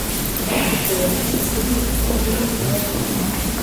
Tugomba kubitsa muri banki.